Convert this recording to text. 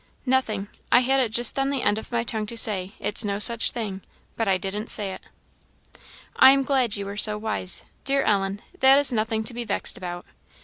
"Nothing. I had it just on the end of my tongue to say, 'It's no such thing;' but I didn't say it." "I am glad you were so wise. Dear Ellen, that is nothing to be vexed about.